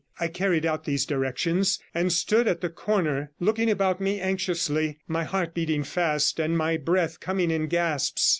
I carried out these directions, and stood at the corner looking about me anxiously, my heart beating fast, and my breath coming in gasps.